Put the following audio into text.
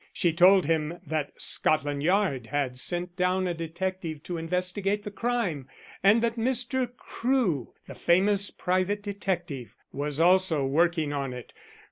She told him that Scotland Yard had sent down a detective to investigate the crime, and that Mr. Crewe, the famous private detective, was also working on it.